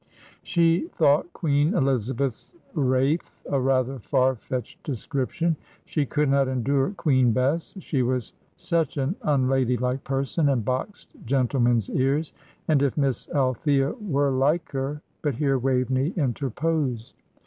She thought Queen Elizabeth's Wraith a rather far fetched description. She could not endure Queen Bess; she was such an unladylike person, and boxed gentlemen's ears. And if Miss Althea were like her But here Waveney interposed.